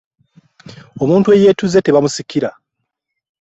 Omuntu eyeetuze tebamusikira.